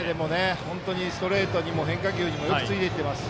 本当にストレートにも変化球にもよくついていっています。